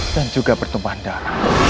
dan juga bertumpah darah